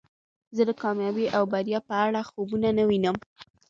زه د کامیابی او بریا په اړه خوبونه نه وینم